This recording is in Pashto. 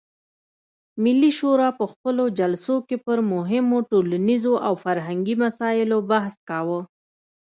ملي شورا په خپلو جلسو کې پر مهمو ټولنیزو او فرهنګي مسایلو بحث کاوه.